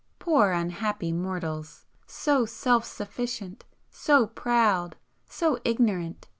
Poor unhappy mortals! So self sufficient, so proud, so ignorant!